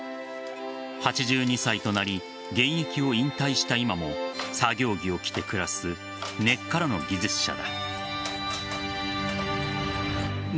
８２歳となり現役を引退した今も作業着を着て暮らす根っからの技術者だ。